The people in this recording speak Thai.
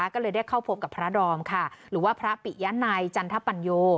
ก็เลยได้เข้าพบกับพระดอมค่ะหรือว่าพระปิยะนัยจันทปัญโย